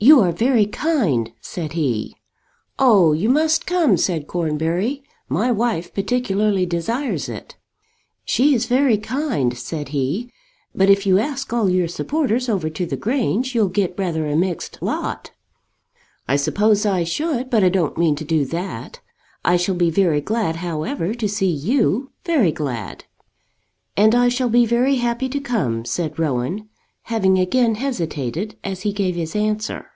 "You are very kind," said he. "Oh! you must come," said Cornbury. "My wife particularly desires it." "She is very kind," said he. "But if you ask all your supporters over to the Grange you'll get rather a mixed lot." "I suppose I should; but I don't mean to do that. I shall be very glad, however, to see you; very glad." "And I shall be very happy to come," said Rowan, having again hesitated as he gave his answer.